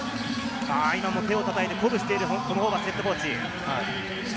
今も手をたたいて鼓舞しているトム・ホーバスＨＣ。